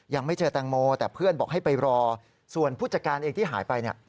ยังไม่เจอแตงโมแต่เพื่อนบอกให้ไปรอส่วนผู้จัดการเองที่หายไปเนี่ย